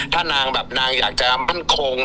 ถ้านางแบบนางอยากจะมั่นคง